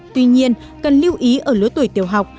tuy nhiên cần lưu ý ở lứa tuổi tiểu học